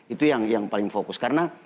itu yang paling fokus karena